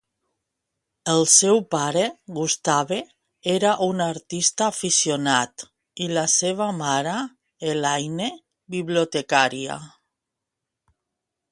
El seu pare, Gustave, era un artista aficionat i la seva mare, Elaine, bibliotecària.